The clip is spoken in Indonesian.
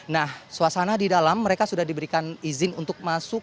nah suasana di dalam mereka sudah diberikan izin untuk masuk